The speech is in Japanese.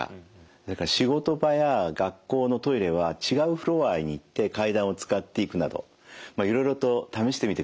それから仕事場や学校のトイレは違うフロアに行って階段を使って行くなどまあいろいろと試してみてください。